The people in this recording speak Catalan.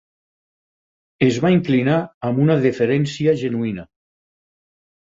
Es va inclinar amb una deferència genuïna.